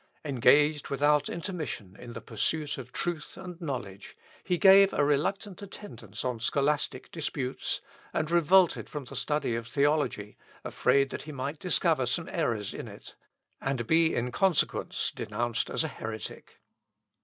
Engaged without intermission in the pursuit of truth and knowledge, he gave a reluctant attendance on scholastic disputes, and revolted from the study of theology, afraid that he might discover some errors in it, and be, in consequence, denounced as a heretic.